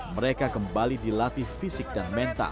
mereka kembali dilatih fisik dan mental